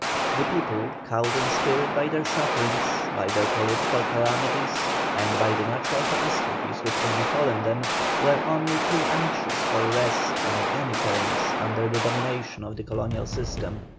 The people, cowed in spirit by their sufferings, by their political calamities, and by the natural catastrophes which had befallen them, were only too anxious for rest on any terms under the domination of the colonial system.